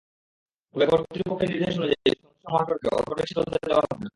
তবে কর্তৃপক্ষের নির্দেশ অনুযায়ী সংশ্লিষ্ট মহাসড়কে অটোরিকশা চলতে দেওয়া হচ্ছে না।